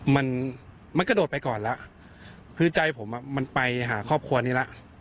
มันมันกระโดดไปก่อนแล้วคือใจผมอ่ะมันไปหาครอบครัวนี้แล้ว